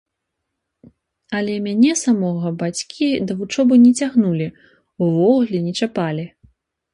Але мяне самога бацькі да вучобы не цягнулі, увогуле не чапалі.